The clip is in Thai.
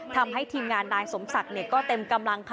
ทำให้ทีมงานนายสมศักดิ์ก็เต็มกำลังค่ะ